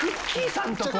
さんところ。